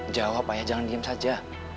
jawab ayah jangan diem saja